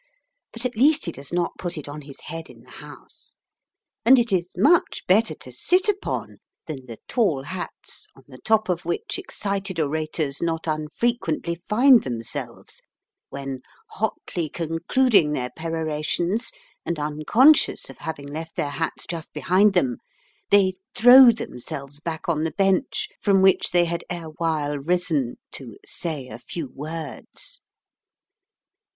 But at least he does not put it on his head in the House; and it is much better to sit upon than the tall hats on the top of which excited orators not unfrequently find themselves when, hotly concluding their perorations and unconscious of having left their hats just behind them, they throw themselves back on the bench from which they had erewhile risen to "say a few words."